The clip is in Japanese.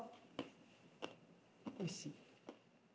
おいしい？